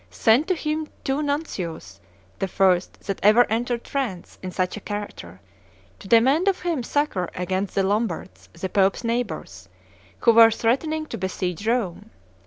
sent to him two nuncios, the first that ever entered France in such a character, to demand of him succor against the Lombards, the Pope's neighbors, who were threatening to besiege Rome.